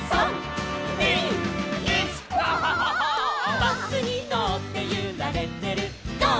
「バスにのってゆられてるゴー！